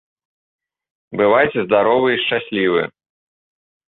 Бывайце здаровы і шчаслівы!